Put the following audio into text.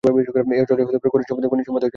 এই অঞ্চলটি খনিজ সম্পদে পরিপূর্ণ।